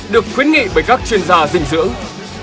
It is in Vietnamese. được khuyến nghị bởi các chuyên gia dinh dưỡng